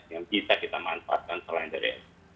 yang bisa kita manfaatkan selain dari